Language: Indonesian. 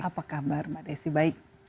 apa kabar mbak desi baik